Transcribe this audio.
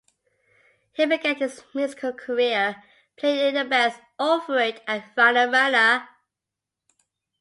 He began his musical career playing in the bands Over It and Runner Runner.